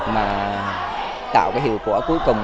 mà tạo cái hiệu quả cuối cùng